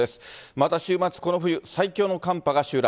また、週末この冬最強の寒波が襲来。